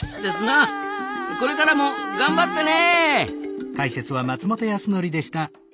これからも頑張ってね！